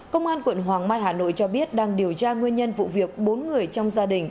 công an quận hoàng mai hà nội cho biết đang điều tra nguyên nhân vụ việc bốn người trong gia đình